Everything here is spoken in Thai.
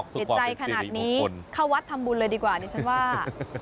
ติดใจขนาดนี้เข้าวัดทำบุญเลยดีกว่าดิฉันว่า